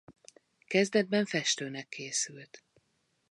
Kezdetben festőnek készült.